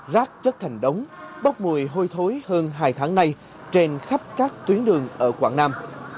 rác chất thành đống bốc mùi hôi thối hơn hai tháng nay trên khắp các tuyến đường ở quảng nam